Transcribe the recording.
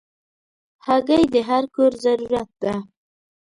هګۍ د هر کور ضرورت ده.